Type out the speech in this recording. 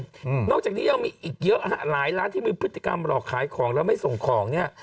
อืมนอกจากนี้ยังมีอีกเยอะฮะหลายร้านที่มีพฤติกรรมหลอกขายของแล้วไม่ส่งของเนี้ย